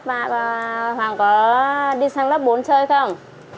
bạn hoàng có đi sang lớp bốn chơi không